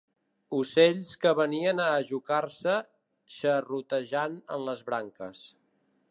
Ocells que venien a ajocar-se xerrotejant en les branques